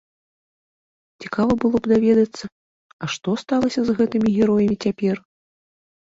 Цікава было б даведацца, а што сталася з гэтымі героямі цяпер?